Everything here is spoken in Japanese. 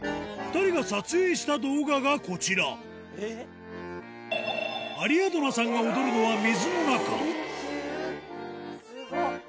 ２人が撮影した動画がこちらアリアドナさんが踊るのは水の中スゴっ！